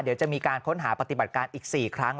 เดี๋ยวจะมีการค้นหาปฏิบัติการอีก๔ครั้ง